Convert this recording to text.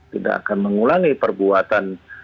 tidak akan mengulangi perbuatan